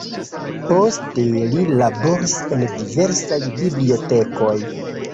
Poste li laboris en diversaj bibliotekoj.